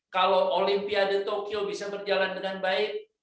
kalau olimpiade tokyo bisa berjalan dengan baik